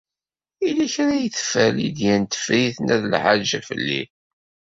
Yella kra ay teffer Lidya n Tifrit n At Lḥaǧ fell-i.